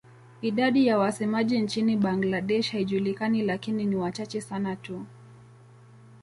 Idadi ya wasemaji nchini Bangladesh haijulikani lakini ni wachache sana tu.